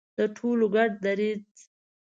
د ټولو ګډ دریځ.